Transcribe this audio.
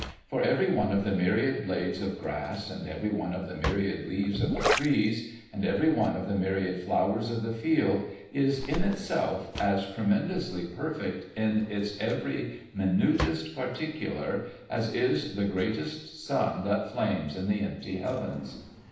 For every one of the myriad blades of grass, and every one of the myriad leaves of the trees, and every one of the myriad flowers of the field, is, in itself, as tremendously perfect in its every minutest particular as is the greatest sun that flames in the empty heavens.